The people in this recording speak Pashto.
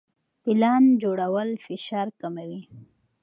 پلان جوړول فشار کموي.